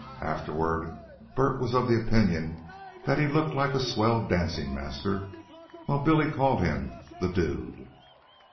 Afterward, Bert was of the opinion that he looked like a swell dancing master, while Billy called him "the dude."